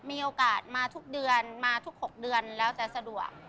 มีโอกาสมาทุกเดือนมาทุก๖เดือนแล้วจะสะดวก